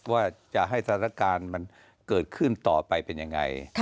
ว่าจะให้สถานการณ์มันเกิดขึ้นต่อไปเป็นยังไง